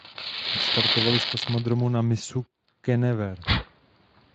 Odstartovali z kosmodromu na mysu Canaveral.